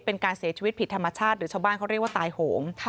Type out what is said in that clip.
เป็นการเสียชีวิตผิดธรรมชาติหรือชาวบ้านเขาเรียกว่าตายโหง